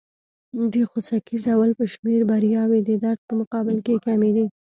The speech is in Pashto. د خوسکي ډول په شمېر بریاوې د درد په مقابل کې کمې دي.